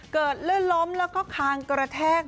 เกิดเลือนล้มแล้วก็คางกระแทก